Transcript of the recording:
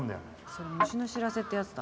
それ虫の知らせってやつだ。